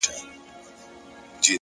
په يبلو پښو روان سو،